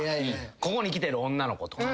ここに来てる女の子とか。